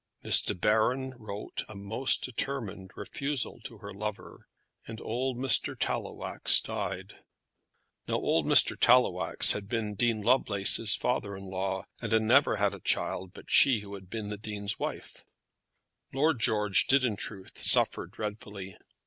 Miss De Baron wrote a most determined refusal to her lover, and old Mr. Tallowax died. Now old Mr. Tallowax had been Dean Lovelace's father in law, and had never had a child but she who had been the Dean's wife. Lord George did in truth suffer dreadfully.